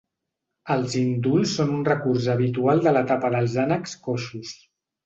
Els indults són un recurs habitual de l’etapa dels ànecs coixos.